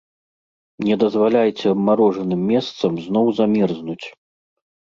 Не дазваляйце абмарожаным месцам зноў замерзнуць.